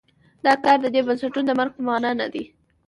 دا کار د دې بنسټونو د مرګ په معنا نه دی.